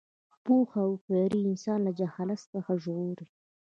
پوهه او هوښیاري انسان له جهالت څخه ژغوري.